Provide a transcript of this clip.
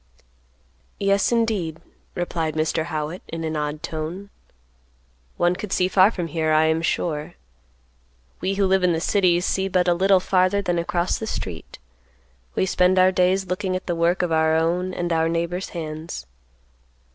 "Yes, indeed," replied Mr. Howitt, in an odd tone. "One could see far from here, I am sure. We, who live in the cities, see but a little farther than across the street. We spend our days looking at the work of our own and our neighbors' hands.